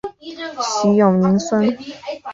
徐永宁孙。